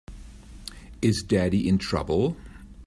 Is Daddy in trouble?